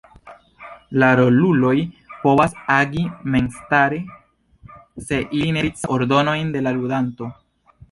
La roluloj povas agi memstare se ili ne ricevas ordonojn de la ludanto.